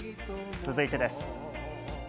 続いてです。